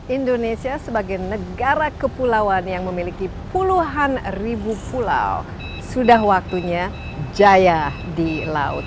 indonesia sebagai negara kepulauan yang memiliki puluhan ribu pulau sudah waktunya jaya di laut